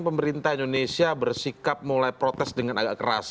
pemerintah indonesia bersikap mulai protes dengan agak keras